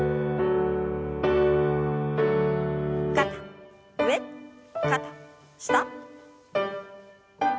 肩上肩下。